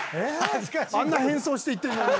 あんな変装して行ってるのに。